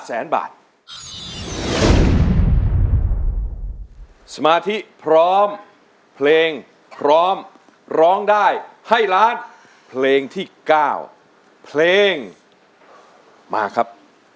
มาสมาธิพร้อมเพลงพร้อมร้องได้ให้ล้านเพลงที่๙เพลงมาครับ